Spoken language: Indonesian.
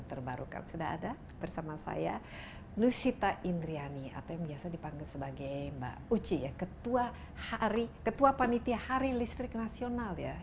terbarukan sudah ada bersama saya lucita indriani atau yang biasa dipanggil sebagai mbak uci ya ketua hari ketua panitia hari listrik nasional ya